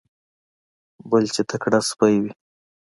بل چې تکړه سپی وي.